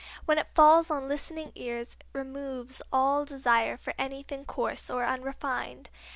When it falls on listening ears it removes all desire for anything coarse or unrefined.